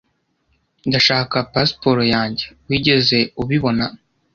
Ndashaka pasiporo yanjye. Wigeze ubibona?